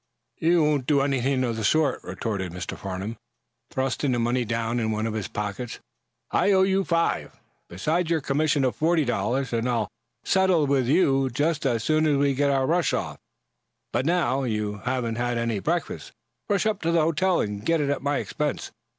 "You won't do anything of the sort," retorted Mr. Farnum, thrusting the money down in one of his pockets. "I owe you that five, besides your commission of forty dollars. And I'll settle with you just as soon as we get our rush off. But now you haven't had any breakfast. Rush up to the hotel and get it at my expense.